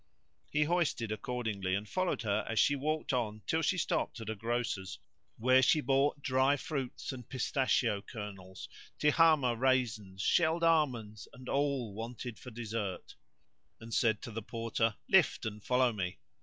He hoisted accordingly, and followed her as she walked on till she stopped at a grocer's, where she bought dry fruits and pistachio kernels, Tihamah raisins, shelled almonds and all wanted for dessert, and said to the Porter, "Lift and follow me."